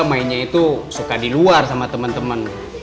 mainnya itu suka di luar sama temen temen